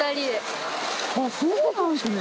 あっそうなんですね。